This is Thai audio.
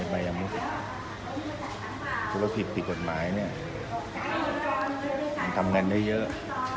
ผู้ครบผิดติดกฎหมายนี่มันทำกันได้เยอะ